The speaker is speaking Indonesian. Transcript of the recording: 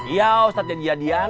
iya ustadz jadi jadian